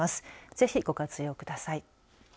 ぜひ、ご活用ください。